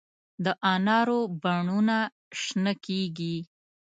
د انارو بڼونه شنه کیږي